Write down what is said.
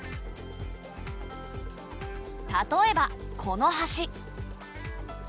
例えばこの橋。